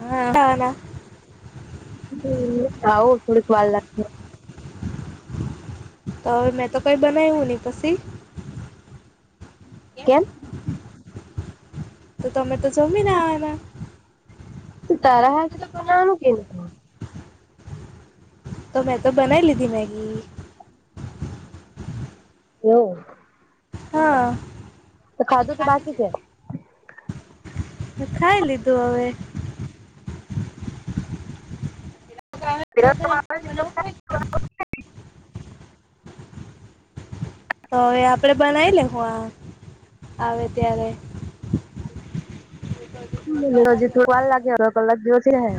હા આવવાના આવો થોડી ખવાલ લ તોવે મેં તો કઈ બનાવ્યું નને પછી. કેમ? તો તમે તો જમી નાવાના. તો તારા હજ કે ન તો મેં તો બનાવી લીધી મેગી. એવ. હા હ તું તો બાકી છે. હ ખાઈ લીધું હવે. [inaudible] તોવે આપડે બનાવી લેહુ આ આવે ત્યારે. હમ્મ હજી તું વા લાગે અડધો કલાક જેવો હે.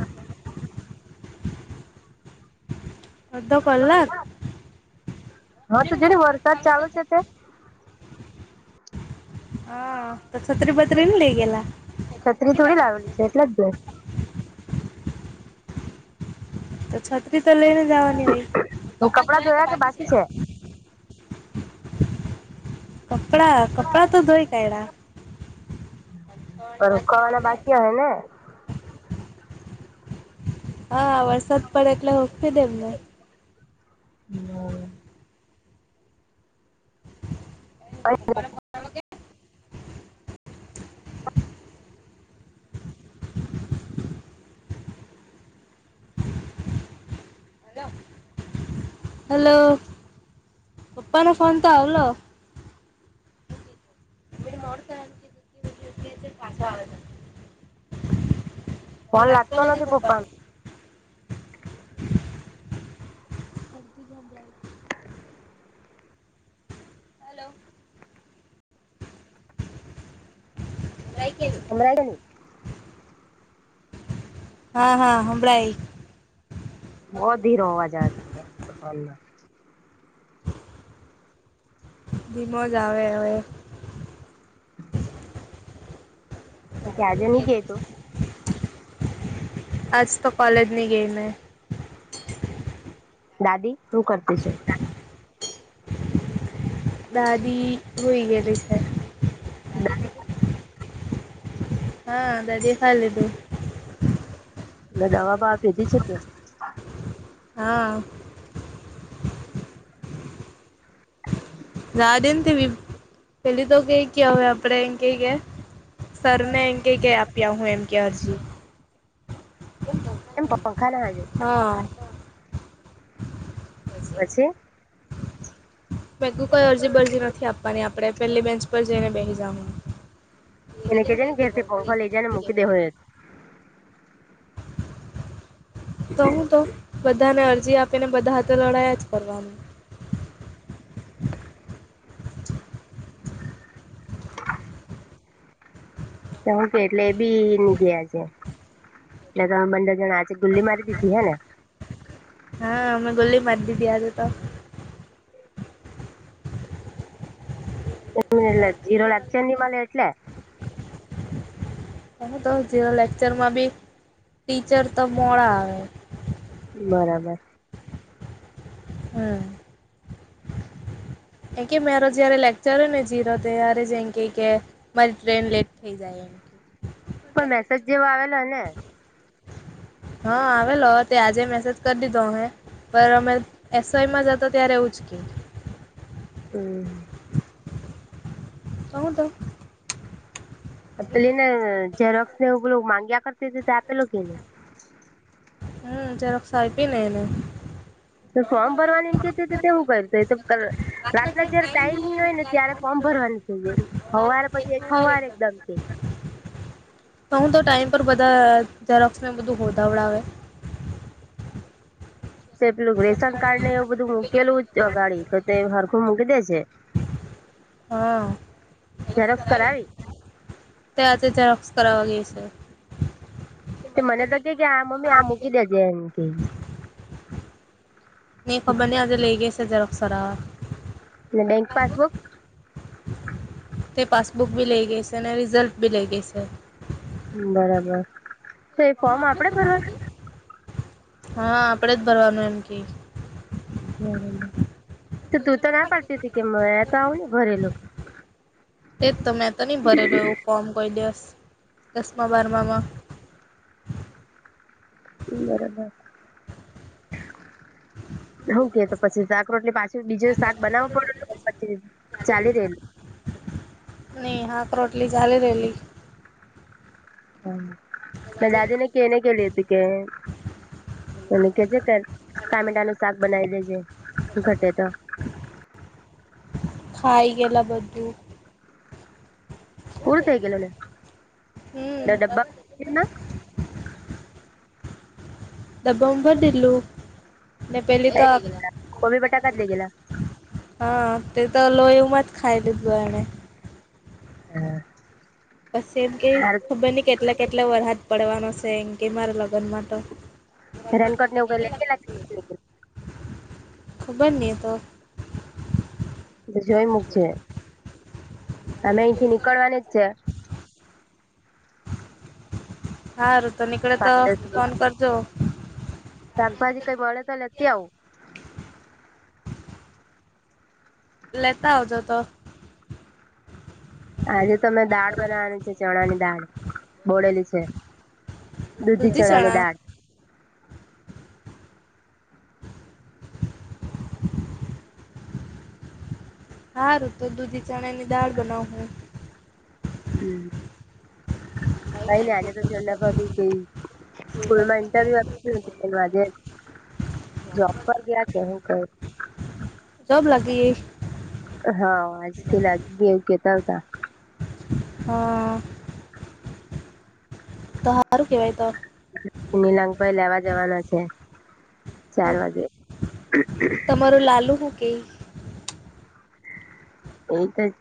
અડધો કલાક? હા તો જો ને વરસાદ ચાલુ છે તે હા, તો છત્રીપત્રી ની લઈ ગેલા? છત્રી થોડી લાવેલી છે એટલે જ ને. તો છત્રી તો લઈને જવાની હોય. કપડા ધયા કે બાકી છે. કપડા, કપડા તો ધોઈ કાયધા. પણ રોકાવાના બાકી હહૈ ને? હા વરસાદ પડે એટલે હોખી દેમને. હમ્મ. [inaudible] હાલો, પપ્પા નો ફોન તો આવલો. મોર થી પાછો આવે. ફોન લાગતો નથી પપ્પાને. હાલો. લઈ કે. હમરાય કે ની? હા હા હભડાય. બો ધીરો અવાજ આવે. ધીમો જ આવે હવે. [inaudible] ઓકે આજે ની કેતો. આજ તો કોલેજ ની ગય મેં. દાદી શું કરતી છે? દાદી હુઈ ગેલી છે. દાદી હા દાદી ખા લીધું. એલે દવા બવા પીધી છે કે? હા. રા દેની પેલી તો કઈ કયા હવે આપડે એમ કઈ કેયા. સરને એમ કે કે આપ્યા હું એમ કે અરજી. એમ પપ્પા ખાતા નથી? હા. પછી? મે કોઈ અરજી બરજી નથી આપવાની આપણે પેલી બેન્ચ પર જઈને બેહી જાવા. એને કહે જ ને ઘેરથી પંખા લઈ જ નેૂકી દે હોયું. તો હું તો બધાને અરજી આપીને બધા હતે લડાયા જ કરવાનું. તો હું કે એટલે એ બી ની ગયા છે. એટલે દહ બંદર જણા આ છે ગુલ્લી મારી દીધી હને? હા મે ગોલ્લી મારી દીધી આજ તો. જેનો લેક્ચર ની મળે એટલે? તો હું તો જેનો લેક્ચરમાં બી ટીચર તો મોડા આવે. બરાબર. હમ. [inaudible] એ કે મારો જયારે લેક્ચર ને જીરો ત્યારે જ એ કે કે મારી ટ્રેન લેટ થઇ જાય એમ. કે. પણ મેસેજ જેવો આવેલો હોય ને? હા આવેલો, તે આજે મેસેજ કરી દીધો અમે. સર અમે એસ વાયમાં જ હતા ત્યારે એવું જ કે. હમ. કહું તો. પેલી ને જેઝરોક્સ ને એવુ પેલું માંગ્યા કરતી હતી આપેલુ કે ની હમ ઝેરોક્ષ આયપી ને એને. તો ફોર્મ ભરવાની એમ કેતી તેવું કરતો તો રાતના જયારે ટાઈમ ની હોય ને ત્યારે ફોર્મ ભરવાની જે હવારે પછી એક સવાર એકદમ કે તો હું તો ટાઈમ પર બધા ઝેરોક્ષ ને બધું હોદાવડાવે. તે પેલું રેશન કાર્ડ ને એવું બધું મૂકેલું અગાડી તો તે હરખું મૂકી દે જે હા. ઝેરોક્ષ કરાવી. ત્યાંથી ઝેરોક્ષ કરાવા ગઈ છે. તે મને તો કે કે આ મમ્મી આ મૂકી દેજે એમ કેય ની ખબર ની આજે લઈ ગઈ છે ઝેરોક્ષ કરાવા બેંક પાસબુક. તે પાસબુક ભી લઇ ગઈ છે ને રિઝલ્ટબી લઇ ગઈ છે. હમ બરાબર તો એ ફોર્મ આપડે ભરવા હા આપડે જ ભરવાનો એમ કેય ત તું તો ના પાડતી હતી કે મેં તો આવું ની ભરેલું તેજ તમે તો નહી ભરેલું એવું ફોર્મ કહી દિવસ દસમા બારમામાં. બરોબર હું કેય તો પછી [unintelligible] પાંચ. બીજું શાક બનાવવું પડે પછી ચાલી રહેલ. નહી હાક રોટલી ચાલી રહેેલી. હા દાદીને કેને કેલી હતી કેને કે છે કર ટામેટા નું શાક બનાવી લેજે ઘટે તો ખાઈ ગેલા બધું પૂરૂ થઈ ગેલુ ને હમ ડબ્બા [unintelligible] ડબ્બા માં ભરી દીધેલું ને પેલી તો કોબી બટાકા જ લઇ હા તે તો લો એમ જ ખાઈ લીધું એને હે હે પછી એમ કેય ખબર ની કેટલે કેટલે વરહાદ પડવાનો છે એમ કે મારા લગન માં તો રેનકોટ ને એવુ કઈ લે ગેલા ખબર ની તો જોઈ મૂક છે અમે અહીથી નીકળવાની જ છે હરૂ તો નીકળે તો ફોન કરજો સાકભાજી કઈ મળે તો લેતી આવું લેતા આવજો તો આજે તો મે દાળ બનાવાની છે ચણા ની દાળ બોળેલી છે દૂધી ચણાની દાળ હારું તો દૂધી ચણે ની દાળ બનાવ હ હમ કઈ નઈ આજે તો ઝંડા ભાભી કેઈ સ્કૂલમાં ઇન્ટરવ્યુ હતું આજે જોબ પર ગયા કે હું ક જોબ લાગી ગઈ હા આજથી લાગી ગઈ એવું કેતા હતા હા. તો હારું કેવાય તો મીલાંક ભાઈ લેવા જવાના છે ચાર વાગે મારું લાલુ હું કેય એ તો જ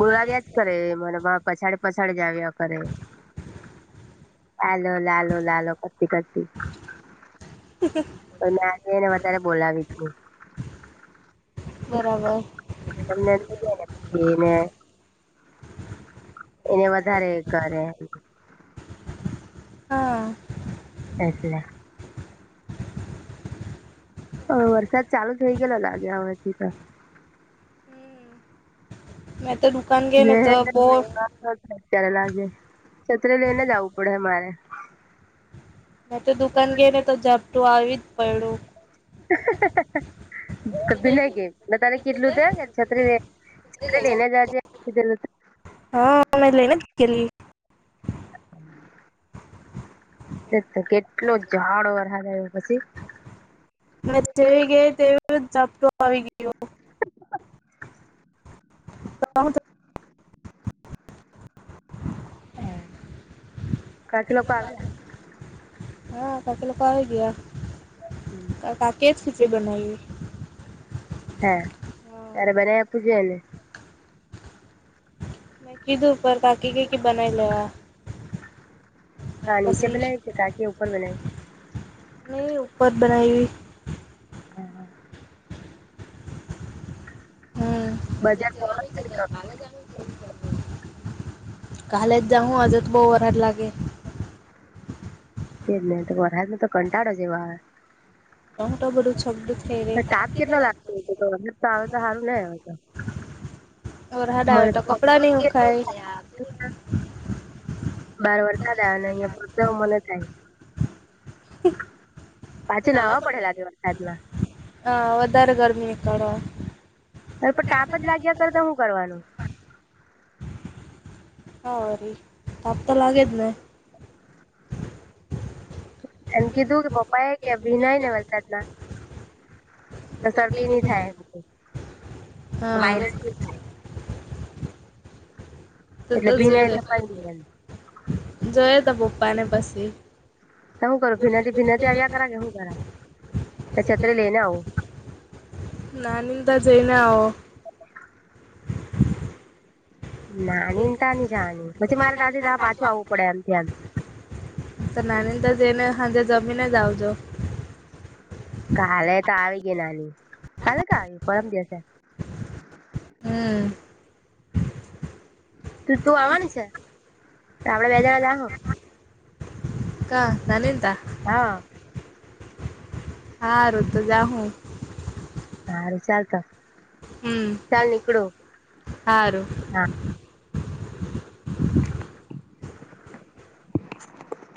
બોલાવ્યાજ કરે મારા બાપ પછાડ પછાડ જાવ્યા કરે લાલો લાલો લાલો કરતી કરતી. તો મેં આજ એને વધારે બોલાવી હતી. બરાબર. તમને [unintelligible] વ્યક્તિ ને એને વધારે કરે. હા. એટલે વરસાદ ચાલુ થઈ ગયેલો લાગે હમાંથી તો મે તો દુકાન ગય તો બોટ અત્યારે લાગે છતરે લઈને આવુ પડે અમારે મે તો દુકાન ગઈ ને તો ઝપટું આવી જ પડ્યું. હ હ ભીનય ગઈ બધાને કેટલું ત છત્રી છત્રી લઈને જજેધે હા મે લઈને જ ગલી કેટલો ઝાડો વરહદ આવ્યો પછી મે જેવી ગઈ તેવ જાપતો આવી ગયો. [inaudible] તો ત [inaudible] હમ કથી લોકો આવેલા હા કથી લોકો આવી ગયા. હમ. તાકી જ ખછી બનાવીએ હા હા તારે બને્યા પૂજાને મે કીધું પર કાકીકે કે બનાઇ લેવા કા નીચે પછી બનાય કે કાકી ઉપર બનાયુ નહી ઉપર બનાવી હમ. હમ બજાર વજન [unintelligible] વાનું. કાલે જાઉ વજન બહુ વધારે લાગે. જ તો વરહાદ ન તો કંટાળો જેવો આવે ટમટો બડું છગડ તાપ કેટલો લાગતો હતો મતલ તો આવે તો સારું નહીં આવે તો વરસાદ આવે તો કપડા ની હુખાય બહાર વરસાદ આવે અન અહિયાયા પરતા [unintelligible] મન થાય પાછી નહવા પડે લાગે વરસાદમાં હ વધારે ગરમી નીકળો. પણ ટાપ જ લાગ્યા કરતા હું કરવાનું. હા ર તાપ તો લાગે જ ને એમ કીધું કે પપ્પા એ કે ભિન ને વરસાદના તો શરદી નની થાય હા વાયરલ [unintelligible] એટલે ભીના એટે [unintelligible] થપ દી જોયો ત પપ્પા ને પછી. ત હું કરું ભિનાથી ભિના આવ્યા કરા કે શું કરા છતરે લઈને આવુ. નાનીદા જૈના હ. ના નીતા નની જની પછી મારે દાદી દા પાછું આવવું પડે અત્યાર. તો નાનીને ત્યાં જઈને સાંજે જમીને જ આવજો. કાલે તો આવી ગયા નાની, કાલે કા આવી પરમ દિવસે હમ્મ. તું આવાની છે, આપડે બે જણા [inaudible] કા નાનીને ત્યાં? હા. હારું તો જાહું. હારુ ચાલતો હમ હારું. હા.